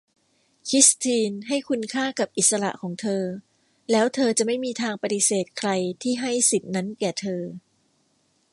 คริสทีนให้คุณค่ากับอิสระของเธอ แล้วเธอจะไม่มีทางปฏิเสธใครที่ให้สิทธิ์นั้นแก่เธอ